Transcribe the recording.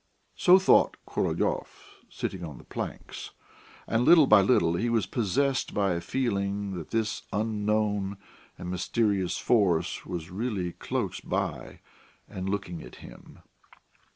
So thought Korolyov, sitting on the planks, and little by little he was possessed by a feeling that this unknown and mysterious force was really close by and looking at him.